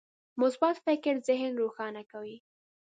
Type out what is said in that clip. مثبت فکر ذهن روښانه کوي.